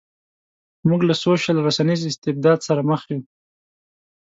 موږ له سوشل رسنیز استبداد سره مخ یو.